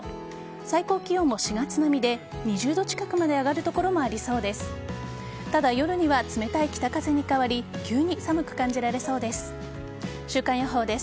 最高気温も４月並みで２０度近くまで上がる所もありそうです。